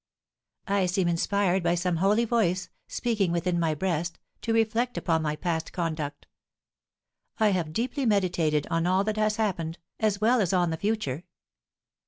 I seem inspired by some holy voice, speaking within my breast, to reflect upon my past conduct. I have deeply meditated on all that has happened, as well as on the future.